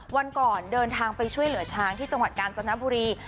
วันก่อนเดินทางไปช่วยเหลือช้างที่จังหวัดกาญจนบุรี